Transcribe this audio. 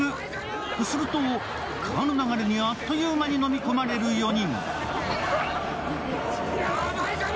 すると、川の流れにあっという間に飲み込まれる４人。